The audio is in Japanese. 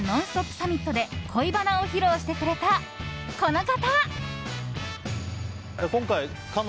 サミットで恋バナを披露してくれた、この方。